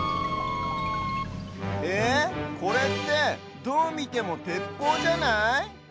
えこれってどうみてもてっぽうじゃない？